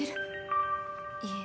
いえ。